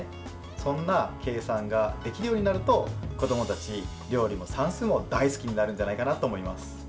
そんな計算ができるようになると子どもたち、料理も算数も大好きになるんじゃないかなと思います。